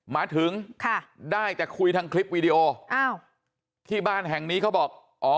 มาถึงค่ะได้แต่คุยทางคลิปวีดีโออ้าวที่บ้านแห่งนี้เขาบอกอ๋อ